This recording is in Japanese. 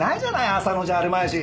浅野じゃあるまいし。